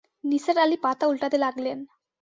নিসার আলি পাতা ওল্টাতে লাগলেন।